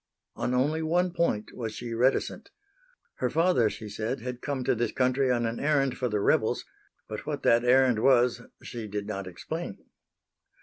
On only one point was she reticent. Her father, she said, had come to this country on an errand for the rebels, but what that errand was she did not explain.